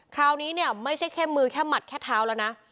คราวนี้เนี่ยไม่ใช่แค่มือแค่หมัดแค่เท้าแล้วนะ